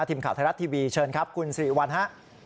ทีมข่าวไทยรัฐทีวีเชิญครับคุณสิริวัลฮะ